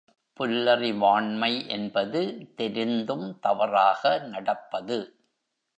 புல்லறிவாண்மை என்பது தெரிந்தும் தவறாக நடப்பது.